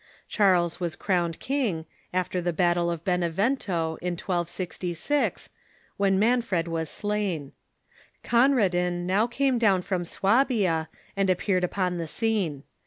Charles was crowned king, after the battle of Benevento, in 1266, when Manfred was slain. Conradin now came down from Suabia, and appeared upon the scene.